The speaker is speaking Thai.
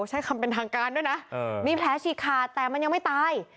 ใช้คำเป็นทางการด้วยนะมีแผลฉีกขาดแต่มันยังไม่ตาย